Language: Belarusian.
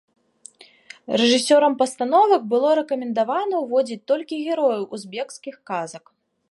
Рэжысёрам пастановак было рэкамендавана ўводзіць толькі герояў узбекскіх казак.